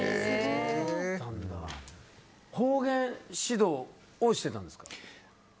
方言指導をしてたんですか？